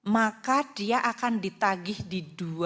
maka dia akan ditagih di dua ribu dua puluh tiga apbn kita